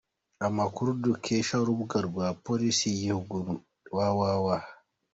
Amakuru dukesha urubuga rwa Polisi y’Igihugu, www.